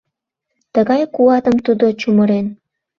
Тыгай куатым тудо чумырен.